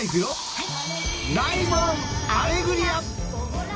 はい。